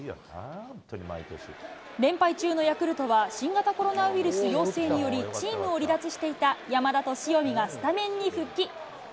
連敗中のヤクルトは、新型コロナウイルス陽性により、チームを離脱していた山田と塩見がスタメンに復帰。